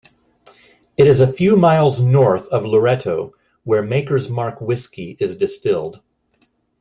It is a few miles north of Loretto where Maker's Mark whiskey is distilled.